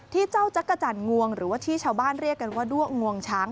ที่เจ้าจักรจันทร์งวงหรือว่าที่ชาวบ้านเรียกกันว่าด้วงวงช้าง